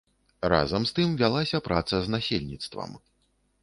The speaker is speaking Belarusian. Разам з тым вялася праца з насельніцтвам.